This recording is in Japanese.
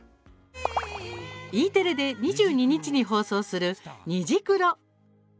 Ｅテレで２２日に放送する「虹クロ」。